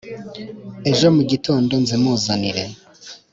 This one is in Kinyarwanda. Ejo mu gitondo nzimuzanire.